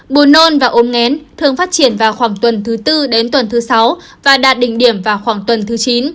buồn nôn và ôm ngén thường phát triển vào khoảng tuần thứ bốn đến tuần thứ sáu và đạt đỉnh điểm vào khoảng tuần thứ chín